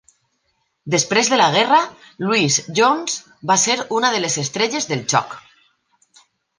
Després de la guerra, Lewis Jones va ser una de les estrelles del joc.